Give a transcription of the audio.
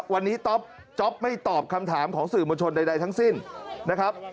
วันนี้จ๊อปไม่ตอบคำถามของสื่อมวลชนใดทั้งสิ้นนะครับ